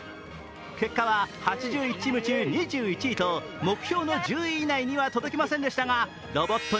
結果は８１チーム中２１位と目標の１０位以内には届きませんでしたがロボット